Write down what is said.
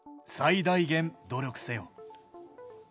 最大限努力せよ。